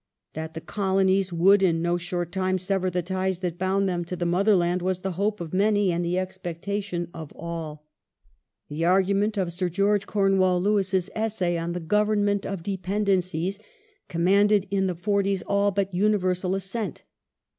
That the Colonies would in no short time sever the ties that bound them to the motherland was the hope of many and the expectation of all. The 1901] IMPERIALISM 533 argument of Sir George Come wall Lewis's Essay on the Govern ment of Dependencies commanded in the 'forties all but universal assent.